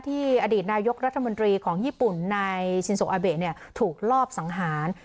อดีตนายกรัฐมนตรีของญี่ปุ่นนายชินโซอาเบะถูกลอบสังหาร